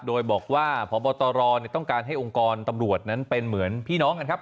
โดยบอกว่าพบตรต้องการให้องค์กรตำรวจนั้นเป็นเหมือนพี่น้องกันครับ